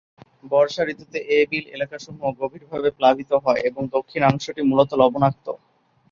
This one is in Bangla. বর্ষা ঋতুতে এ বিল এলাকাসমূহ গভীরভাবে প্লাবিত হয় এবং দক্ষিণাংশটি মূলত লবণাক্ত।